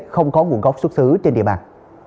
không có nguồn gốc xuất xứ trên địa bàn